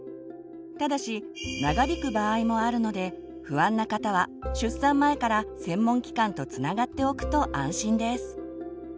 ただし長引く場合もあるので不安な方は出産前から専門機関とつながっておくと安心です。